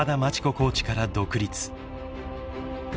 コーチから独立］